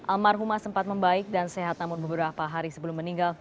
almarhumah sempat membaik dan sehat namun beberapa hari sebelum meninggal